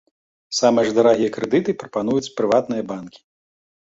Самыя ж дарагія крэдыты прапаноўваюць прыватныя банкі.